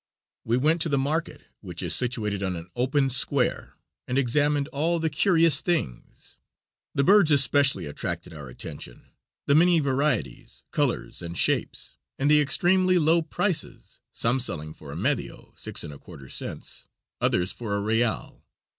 We went to the market, which is situated on an open square, and examined all the curious things. The birds especially attracted our attention, the many varieties, colors and shapes, and the extremely low prices, some selling for a medio (6 1/4 cents), others for a real.